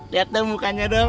lihat dong mukanya dong